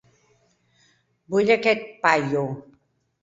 Vull a aquest paio.